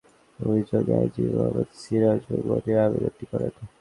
এটি যুক্ত করে আদালত অবমাননার অভিযোগে আইনজীবী মোহাম্মদ সিরাজুম মনীর আবেদনটি করেন।